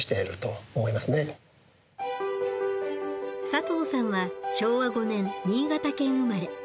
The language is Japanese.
佐藤さんは昭和５年新潟県生まれ。